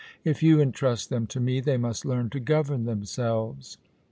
If you entrust them to me, they must learn to govern themselves.